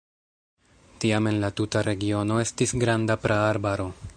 Tiam en la tuta regiono estis granda praarbaro.